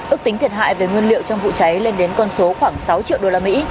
ước tính thiệt hại về nguyên liệu trong vụ cháy lên đến con số khoảng sáu triệu usd